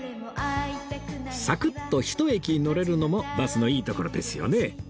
サクッと１駅乗れるのもバスのいいところですよね